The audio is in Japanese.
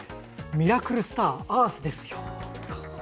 ミラクルスターアースですよ。